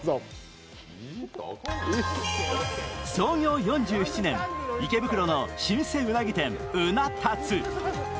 創業４７年、池袋の老舗うなぎ店うな達。